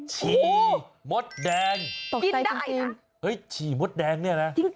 ฉี่มดแดงกินได้นะเฮ้ยฉี่มดแดงเนี่ยแหละ